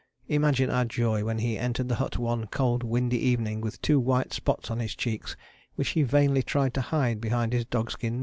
Imagine our joy when he entered the hut one cold windy evening with two white spots on his cheeks which he vainly tried to hide behind his dogskin mitts.